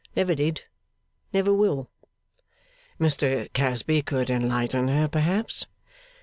Never did. Never will.' 'Mr Casby could enlighten her, perhaps?